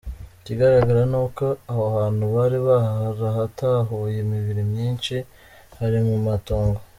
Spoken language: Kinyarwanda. Ikigaragara ni uko aho hantu bari barahatahuye imibiri myinshi; hari mu matongo.